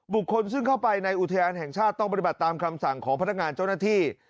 ซึ่งเข้าไปในอุทยานแห่งชาติต้องปฏิบัติตามคำสั่งของพนักงานเจ้าหน้าที่